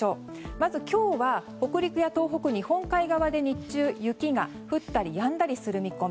まず今日は、北陸や東北日本海側で日中、雪が降ったりやんだりする見込み。